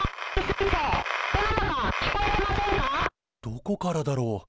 どこからだろう？